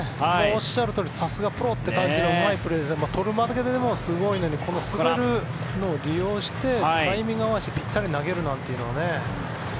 おっしゃるとおりさすがプロという素晴らしいプレーでとるだけでもすごいのにこの滑るのを利用してタイミングを合わせてぴったり投げるなんていうのはね。